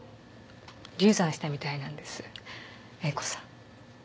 流産したみたいなんです栄子さん。